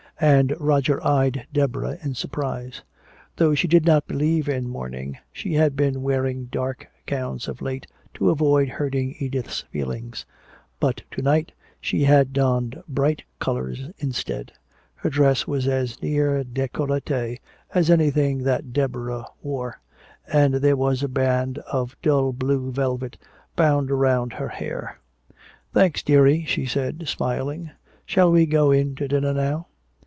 And Roger eyed Deborah in surprise. Though she did not believe in mourning, she had been wearing dark gowns of late to avoid hurting Edith's feelings. But to night she had donned bright colors instead; her dress was as near décolleté as anything that Deborah wore, and there was a band of dull blue velvet bound about her hair. "Thanks, dearie," she said, smiling. "Shall we go in to dinner now?"